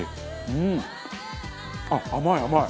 うん！あっ甘い甘い！